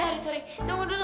sorry sorry tunggu dulu